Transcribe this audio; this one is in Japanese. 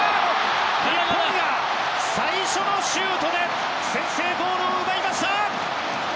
日本が最初のシュートで先制ゴールを奪いました！